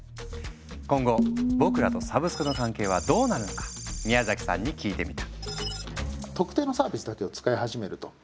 今後僕らとサブスクの関係はどうなるのか宮崎さんに聞いてみた。